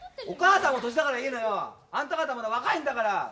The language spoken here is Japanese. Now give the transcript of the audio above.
お母さんは年だからいいのよ！あんた方まだ若いんだから！